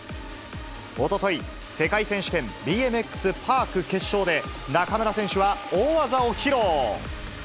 おととい、世界選手権ＢＭＸパーク決勝で、中村選手は大技を披露。